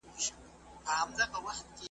چي له تقریباً نیمي پېړۍ راهیسي .